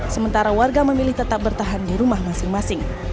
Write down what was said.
sementara warga memilih tetap bertahan di rumah masing masing